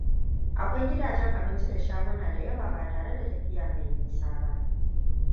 Akwai gidajen abinci da shagunan da yawa ba tare da tafiya mai nisa ba.